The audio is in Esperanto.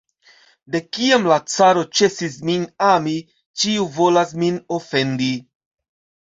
De kiam la caro ĉesis min ami, ĉiu volas min ofendi!